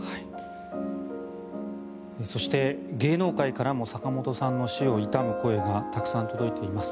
そして、芸能界からも坂本さんの死を悼む声がたくさん届いています。